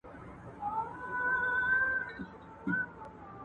ورته پام سو پر سړک د څو هلکانو ..